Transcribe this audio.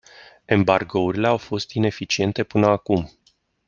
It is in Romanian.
Embargourile au fost ineficiente până acum.